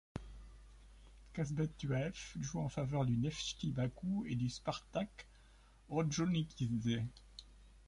Kazbek Tuaev joue en faveur du Neftchi Bakou et du Spartak Orjonikidze.